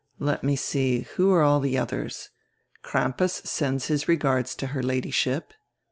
"Let me see, who are all die others? Crampas sends his regards to her Ladyship."